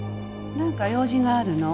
なんか用事があるの？